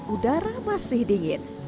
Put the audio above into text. udara masih dingin